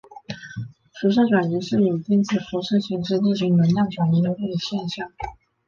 辐射转移是以电磁辐射形式进行能量转移的物理现象。